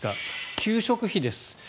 給食費です。